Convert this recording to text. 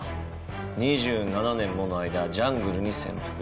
２７年もの間ジャングルに潜伏。